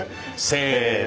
せの。